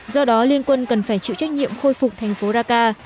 do đó liên quân cần phải chịu trách nhiệm khôi phục thành phố raka